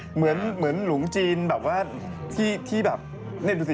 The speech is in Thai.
เหมือนหลุมจีนแบบว่าที่แบบเล่นดูสิ